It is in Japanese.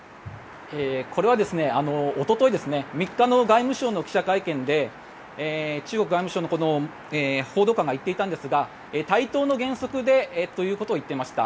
これはおととい３日の外務省の記者会見で中国外務省の報道官が言っていたんですが対等の原則でということを言っていました。